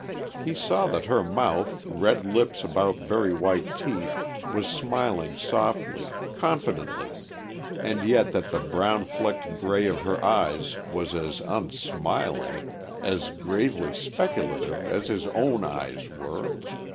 He saw that her mouth, red lips about very white teeth, was smiling softly, confidently; and yet that the brown flecked grey of her eyes was as unsmiling, as gravely speculative as his own eyes were.